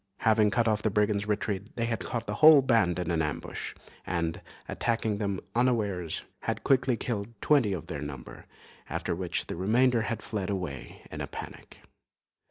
Having cut off the brigands' retreat, they had caught the whole band in an ambush, and, attacking them unawares, had quickly killed twenty of their number, after which the remainder had fled away in a panic.